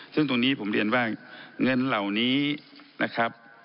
ซึ่งตรงนี้ผมเรียนว่าเงินเหล่านี้นะครับ